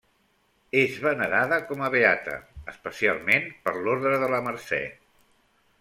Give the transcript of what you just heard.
És venerada com a beata, especialment per l'Orde de la Mercè.